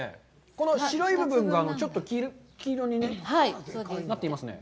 この白い部分が、ちょっと金色になっていますね。